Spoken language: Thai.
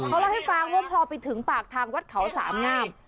เขาเล่าให้ฟังว่าพอไปถึงปากทางวัดเขาสามงาม